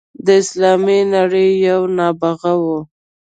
د اسلامي نړۍ یو نابغه وو.